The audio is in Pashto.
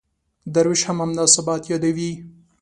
درویش هم همدا ثبات یادوي.